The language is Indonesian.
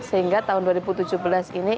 sehingga tahun dua ribu tujuh belas ini